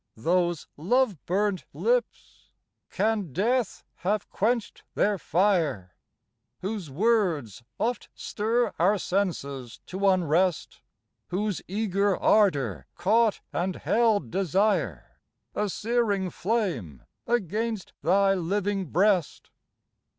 Those love burnt lips! Can death have quenched their fire? Whose words oft stir our senses to unrest? Whose eager ardour caught and held desire, A searing flame against thy living breast?